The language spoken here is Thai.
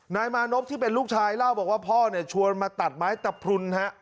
นายมานพที่เป็นลูกชายเล่าบอกว่าพ่อเนี่ยชวนมาตัดไม้ตะพรุนฮะ